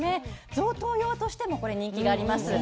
贈答用としてもこれ人気があります。